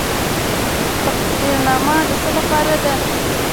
تقدیرنامه د څه لپاره ده؟